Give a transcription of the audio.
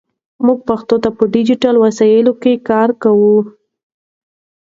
موږ پښتو ته په ډیجیټل وسایلو کې کار کوو.